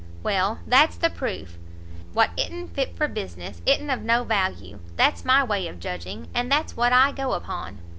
Well, that's the proof; what i'n't fit for business, i'n't of no value; that's my way of judging, and that's what I go upon."